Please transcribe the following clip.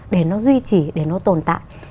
để nó duy trì để nó tồn tại